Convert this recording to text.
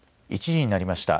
１時になりました。